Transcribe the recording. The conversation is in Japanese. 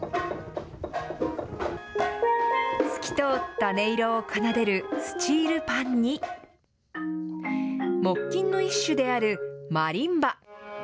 透き通った音色を奏でるスチールパンに、木琴の一種であるマリンバ。